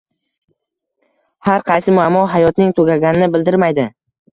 Har qaysi muammo hayotning tugaganini bildirmaydi.